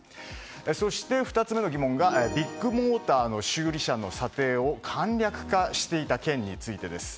そして２つ目の疑問がビッグモーターの修理車の査定を簡略していた件についてです。